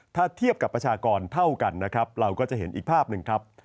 ถ้าเทียบกับประชากรเท่ากันนะครับเราก็จะเห็นอีกภาพหนึ่งครับ